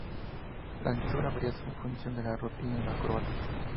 La anchura varía en función de la rutina y el acróbata.